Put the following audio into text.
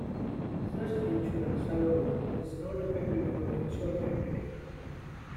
Such insurance, however, is not effective for the insured entity.